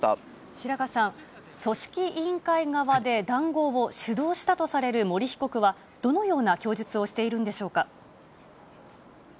白賀さん、組織委員会側で談合を主導したとされる森被告は、どのような供述をしているんでし